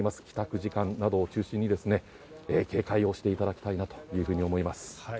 帰宅時間などを中心に警戒をしていただきたいなと思います。